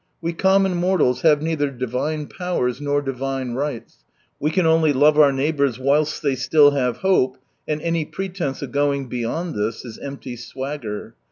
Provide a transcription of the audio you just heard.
We commmi mortals have neither divine powers nor divine rights, we can only love our neighbours whilst they still have hope, and any pretence of going beyond this is empty swagger.